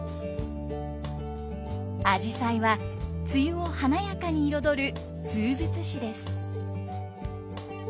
あじさいは梅雨を華やかに彩る風物詩です。